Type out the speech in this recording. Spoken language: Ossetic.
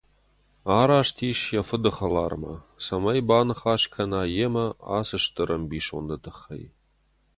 Араст ис йӕ фыды хӕлармӕ, цӕмӕй баныхас кӕна йемӕ ацы стыр ӕмбисонды тыххӕй.